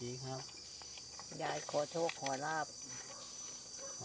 เวียนหัวไม่มาหรอกลูกไม่มาหรอก